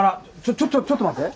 ちょっちょっと待って。